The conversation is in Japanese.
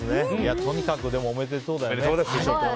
とにかくおめでとうだよね。